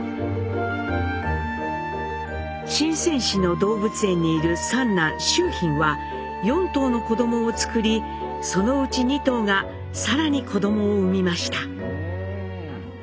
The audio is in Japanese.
深セン市の動物園にいる三男・秋浜は４頭の子どもをつくりそのうち２頭が更に子どもを産みました。